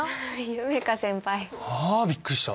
ああびっくりした。